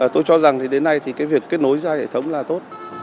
tôi cho rằng thì đến nay thì cái việc kết nối ra hệ thống là tốt